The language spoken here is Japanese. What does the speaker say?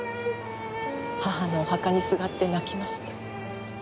母のお墓にすがって泣きました。